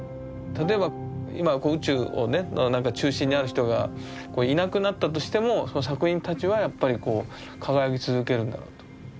例えば今宇宙をねのなんか中心にある人がいなくなったとしてもその作品たちはやっぱりこう輝き続けるんだろうと。